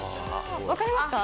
分かりますか？